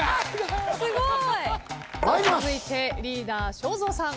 続いてリーダー正蔵さん。